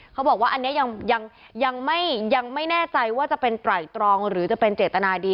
เขาบอกว่าอันนี้ยังไม่แน่ใจว่าจะเป็นไตรตรองหรือจะเป็นเจตนาดี